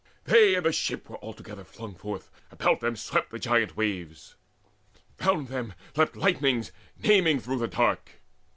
They in the ship were all together flung Forth: all about them swept the giant waves, Round them leapt lightnings flaming through the dark.